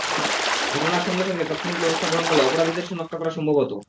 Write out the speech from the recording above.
ঘটনার সঙ্গে সঙ্গে তাৎক্ষণিক ব্যবস্থা গ্রহণ করলে অপরাধীদের শনাক্ত করা সম্ভব হতো।